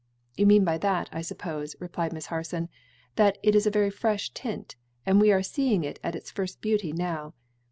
"You mean by that, I suppose," replied Miss Harson, "that it is a very fresh tint; and we are seeing it in its first beauty now.